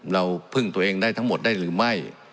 เราพึ่งตัวเองได้ทั้งหมดได้หรือไม่